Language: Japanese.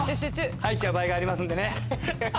入っちゃう場合がありますんでね。